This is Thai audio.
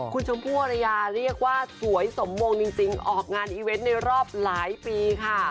คุณชมพู่อรยาเรียกว่าสวยสมมงจริงออกงานอีเวนต์ในรอบหลายปีค่ะ